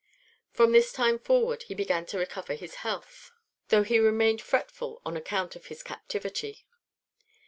From this time forward he began to recover his health, though he remained fretful on account of his captivity.